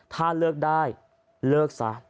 ถ้าเลิกได้เลิกซะ